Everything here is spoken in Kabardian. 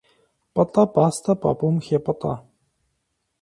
Пӏытӏэ пӏастэ пӏапӏум хепӏытӏэ.